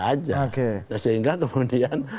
aja oke sehingga kemudian